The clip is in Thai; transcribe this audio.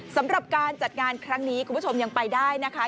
สำหรับการจัดงานครั้งนี้คุณผู้ชมยังไปได้นะคะ